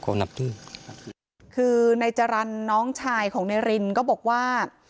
เขานับทึ่งครับคือในจรรย์น้องชายของเนรินก็บอกว่า